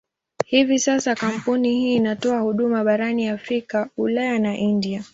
Hivi sasa kampuni hii inatoa huduma barani Afrika, Ulaya na India.